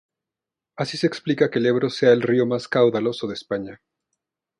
Así se explica que el Ebro sea el río más caudaloso de España.